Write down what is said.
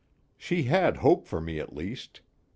She had hope for me at least.